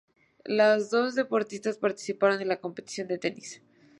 Las dos deportistas participaron en la competición de tenis.